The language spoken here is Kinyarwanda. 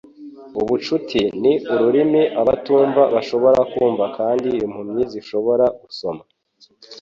Ubucuti ni ururimi abatumva bashobora kumva kandi impumyi zishobora gusoma